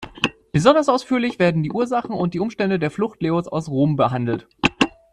Besonders ausführlich werden die Ursachen und Umstände der Flucht Leos aus Rom behandelt.